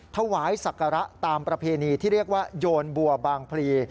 ถวายศักระตามประเพณีที่เรียกว่าโยนบัวบางพลี